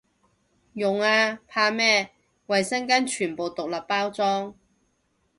用啊，怕咩，衛生巾全部獨立包裝